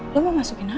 lo mau masukin apa